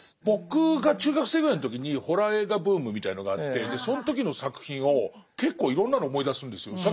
僕が中学生ぐらいの時にホラー映画ブームみたいのがあってその時の作品を結構いろんなの思い出すんですよ。